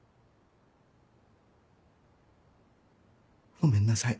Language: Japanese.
ごめんなさい。